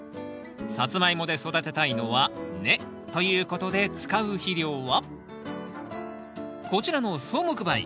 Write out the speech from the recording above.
サツマイモで育てたいのは根。ということで使う肥料はこちらの草木灰。